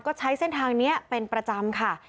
ก็ใช้เส้นทางนี้เป็นประจำค่ะ